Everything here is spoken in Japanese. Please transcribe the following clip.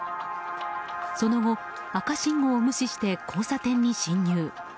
その後、赤信号を無視して交差点に進入。